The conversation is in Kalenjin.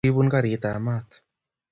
Kokipun karit ap maat